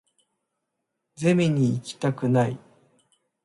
ゼミ行きたくない